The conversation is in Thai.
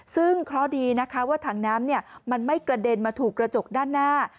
ซึ่งเคราะห์ดีนะคะว่าถังน้ำมันไม่กระเด็นมาถูกกระจกด้านหน้า